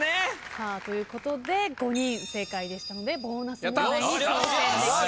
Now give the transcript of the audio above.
さあということで５人正解でしたのでボーナス問題に挑戦できます。